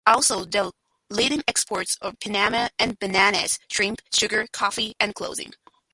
Also the leading exports for Panama are bananas, shrimp, sugar, coffee, and clothing.